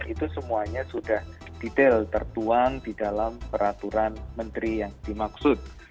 itu semuanya sudah detail tertuang di dalam peraturan menteri yang dimaksud